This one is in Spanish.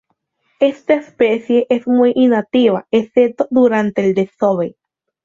Esta especie es muy inactiva, excepto durante el desove.